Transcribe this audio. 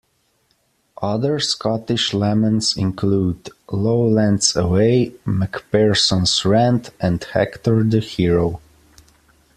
Other Scottish laments include "Lowlands Away", "MacPherson's Rant", and "Hector the Hero".